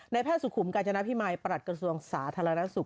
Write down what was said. แพทย์สุขุมกาญจนพิมัยประหลัดกระทรวงสาธารณสุข